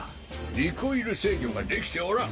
リコイル制御ができておらん！